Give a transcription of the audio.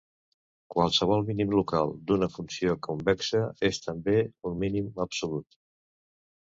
Qualsevol mínim local d'una funció convexa és també un mínim absolut.